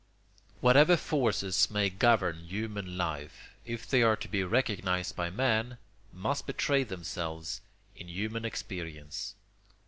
] Whatever forces may govern human life, if they are to be recognised by man, must betray themselves in human experience.